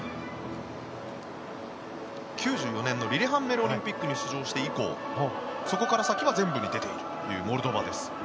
９４年のリレハンメルオリンピックに出場して以降そこから先は全部に出ているというモルドバです。